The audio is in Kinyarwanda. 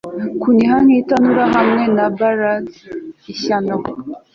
Kuniha nkitanura hamwe na ballad ishyano